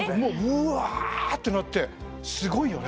うわってなってすごいよね。